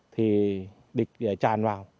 thì địch tràn vào